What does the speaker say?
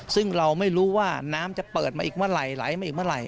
ซึ่งเราไม่รู้ว่าน้ำจะเปิดมาอีกเมื่อไหร่ไหลมาอีกเมื่อไหร